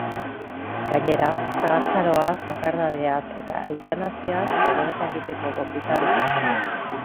Gainera, zahartzaroaz, bakardadeaz eta eutanasiaz gogoeta egiteko gonbita luzatzen du.